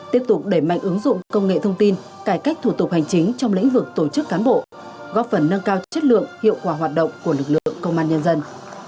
tiếp tục đẩy mạnh ứng dụng công nghệ thông tin cải cách thủ tục hành chính trong lĩnh vực tổ chức cán bộ góp phần nâng cao chất lượng hiệu quả hoạt động của lực lượng công an nhân dân